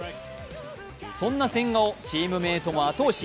そんな千賀をチームメイトも後押し。